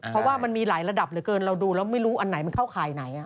เพราะว่ามันมีหลายระดับเหลือเกินเราดูแล้วไม่รู้อันไหนมันเข้าข่ายไหน